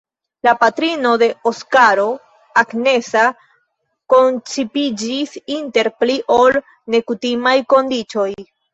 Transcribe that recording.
La patrino de Oskaro – Agnesa – koncipiĝis inter pli ol nekutimaj kondiĉoj.